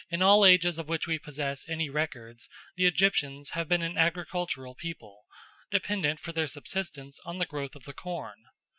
In all ages of which we possess any records the Egyptians have been an agricultural people, dependent for their subsistence on the growth of the corn.